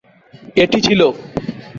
এটি ছিল।